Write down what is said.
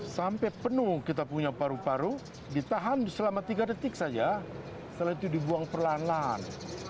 sampai penuh kita punya paru paru ditahan selama tiga detik saja setelah itu dibuang perlahan lahan